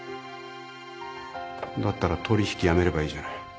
だったら取引やめればいいじゃない。